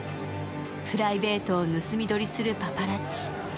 プライベートを盗み撮りするパパラッチ。